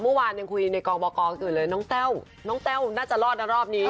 เมื่อวานยังคุยในกองบกอยู่เลยน้องแต้วน้องแต้วน่าจะรอดนะรอบนี้